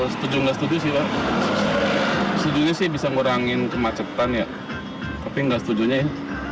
setuju nggak setuju sih pak setujunya sih bisa ngurangin kemacetan ya tapi nggak setujunya ya